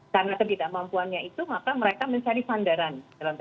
karena ketidakmampuannya itu maka mereka mencari sandaran